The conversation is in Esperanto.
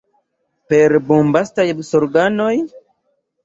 Per bombastaj sloganoj?